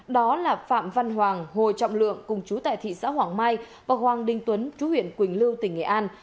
đó là phạm văn hoàng hồ trọng lượng cùng chú tại thị xã hoàng mai và hoàng đình tuấn chú huyện quỳnh lưu tỉnh nghệ an